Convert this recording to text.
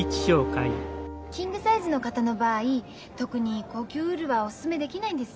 キングサイズの方の場合特に高級ウールはお薦めできないんです。